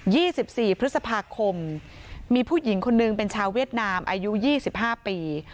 สิบสี่พฤษภาคมมีผู้หญิงคนนึงเป็นชาวเวียดนามอายุยี่สิบห้าปี